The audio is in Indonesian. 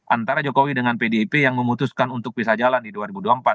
antara jokowi dengan pdip yang memutuskan untuk bisa jalan di dua ribu dua puluh empat